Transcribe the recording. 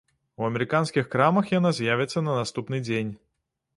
У амерыканскіх крамах яна з'явіцца на наступны дзень.